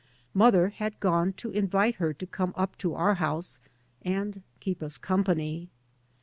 Mother had gone to invite her to come up to our house, " and keep us company."